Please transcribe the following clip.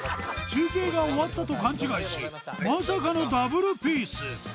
中継が終わったと勘違いしまさかのＷピース